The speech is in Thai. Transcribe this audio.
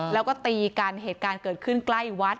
แล้วก็ตีกันเหตุการณ์เกิดขึ้นใกล้วัด